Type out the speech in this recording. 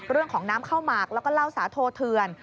เรื่องของน้ำข้าวหมากแล้วก็เล่าสาโทเถื่อน